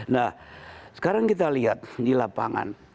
nah sekarang kita lihat di lapangan